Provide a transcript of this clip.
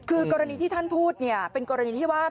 คือกรณีที่ท่านพูดเนี่ยเป็นกรณีที่ว่า